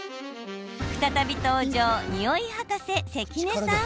再び登場におい博士、関根さん。